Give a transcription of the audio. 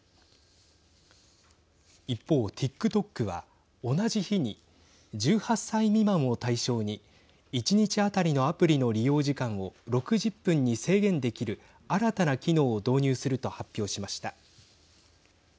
一方ＴｉｋＴｏｋは同じ日に１８歳未満を対象に１日当たりのアプリの利用時間を６０分に制限できる新たな機能を導入すると発表しました。